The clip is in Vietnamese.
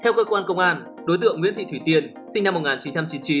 theo cơ quan công an đối tượng nguyễn thị thủy tiên sinh năm một nghìn chín trăm chín mươi chín